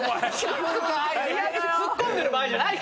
ツッコんでる場合じゃない。